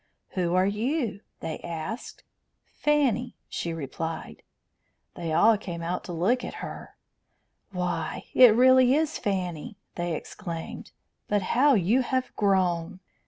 "Who are you?" they asked. "Fanny," she replied. They all came out to look at her. "Why, it really is Fanny!" they exclaimed. "But how you have grown!